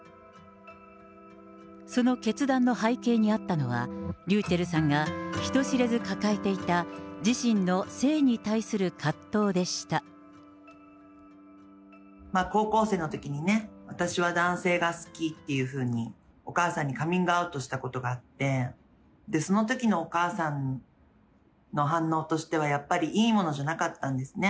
その決断の背景にあったのは、ｒｙｕｃｈｅｌｌさんが人知れず抱えていた自身の性に対する葛藤高校生のときにね、私は男性が好きっていうふうに、お母さんにカミングアウトしたことがあって、そのときのお母さんの反応としては、やっぱりいいものじゃなかったんですね。